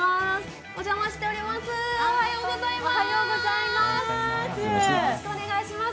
おはようございます。